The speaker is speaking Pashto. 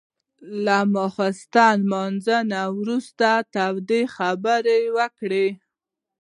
له ماخستن لمونځ وروسته تودې خبرې وکړې.